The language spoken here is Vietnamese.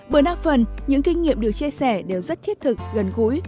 bởi đa phần những kinh nghiệm được chia sẻ đều rất thiết thực gần gũi